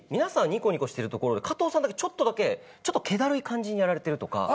にこにこしてるところで加藤さんだけちょっとだけちょっと気だるい感じにやられてるとか。